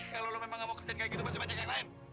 kalau lo memang nggak mau kerja kayak gitu masih baca kayak lain